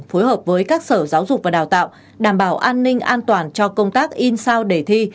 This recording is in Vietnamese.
phối hợp với các sở giáo dục và đào tạo đảm bảo an ninh an toàn cho công tác in sao để thi